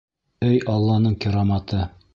— Эй Алланың кираматы!